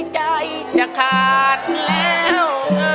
ใจจะขาดแล้ว